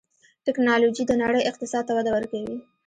ټکنالوجي د نړۍ اقتصاد ته وده ورکوي.